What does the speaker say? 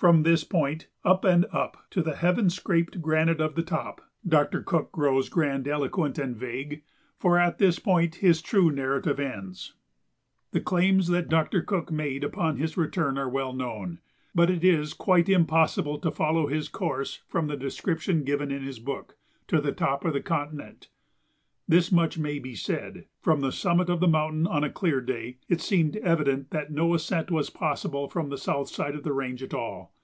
From this point, "up and up to the heaven scraped granite of the top," Doctor Cook grows grandiloquent and vague, for at this point his true narrative ends. [Illustration: Approaching the range.] The claims that Doctor Cook made upon his return are well known, but it is quite impossible to follow his course from the description given in his book, "To the Top of the Continent." This much may be said: from the summit of the mountain, on a clear day, it seemed evident that no ascent was possible from the south side of the range at all.